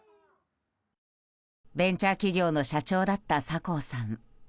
ベンチャー企業の社長だった酒向さん。